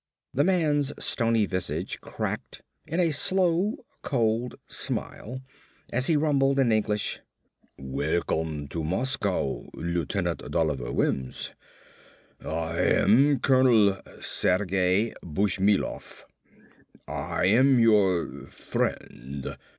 The man's stony visage cracked in a slow, cold smile as he rumbled in English, "Welcome to Moscow, Lieutenant Dolliver Wims. I am Colonel Sergei Bushmilov. I am your friend."